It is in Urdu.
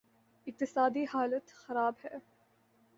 اقتصادی حالت خراب ہے۔